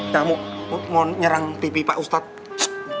kamu mau nyerang pipi pak ustadz